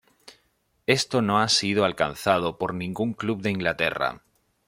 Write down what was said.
Esto no ha sido alcanzado por ningún club de Inglaterra.